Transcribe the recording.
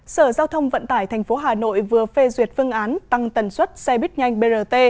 sở giao thông vận tải tp hà nội vừa phê duyệt phương án tăng tần suất xe bít nhanh brt